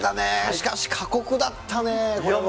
しかし過酷だったね、これは。